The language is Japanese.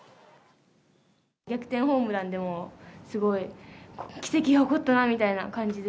逆転ホームランでも、すごい奇跡が起こったなみたいな感じで。